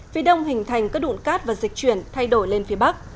phía đông hình thành các đụn cát và dịch chuyển thay đổi lên phía bắc